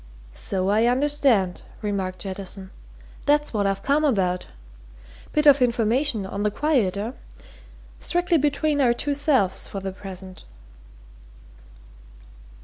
"So I understand," remarked Jettison. "That's what I've come about. Bit of information, on the quiet, eh? Strictly between our two selves for the present."